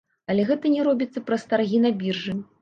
Але гэта не робіцца праз таргі на біржы.